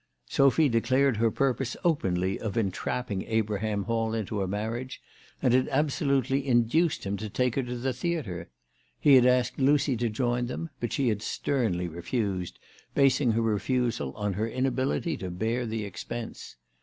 Sophy declared her purpose openly of entrapping Abraham THE TELEGRAPH GIRL. 281 Hall into a marriage, and had absolutely induced him to take her to the theatre. He had asked Lucy to join them ; but she had sternly refused, basing her refusal on her inability to bear the expense.